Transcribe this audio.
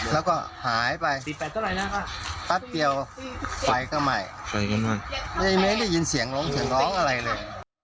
แล้วก็หายไปปั๊ดเดียวไปก็ไม่ไปก็ไม่ได้ยินเสียงล้องเสียงร้องอะไรเลย